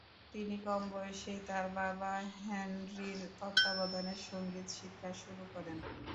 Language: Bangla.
তিনি কম বয়সেই তার বাবা হেনরির তত্ত্বাবধানে সঙ্গীত শিক্ষা শুরু করেন।